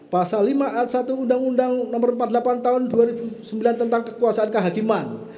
pasal lima ayat satu undang undang nomor empat puluh delapan tahun dua ribu sembilan tentang kekuasaan kehakiman